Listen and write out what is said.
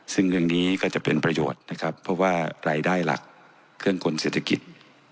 ซึ่งเรื่องนี้ก็จะเป็นประโยชน์นะครับเพราะว่ารายได้หลักเครื่องกลเศรษฐกิจ